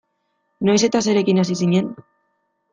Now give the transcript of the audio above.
Noiz eta zerekin hasi zinen?